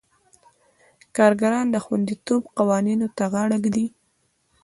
کارګران د خوندیتوب قوانینو ته غاړه ږدي.